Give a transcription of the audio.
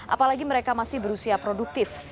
apalagi mereka masih berusia produktif